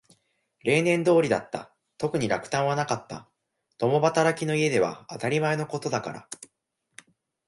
例年通りだった。特に落胆はなかった。共働きの家では当たり前のことだから。